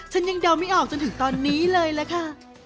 ฉันยังเดาไม่ออกจนถึงตอนนี้เลยล่ะค่ะ